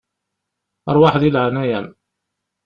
Ṛwaḥ di leƐnaya-m.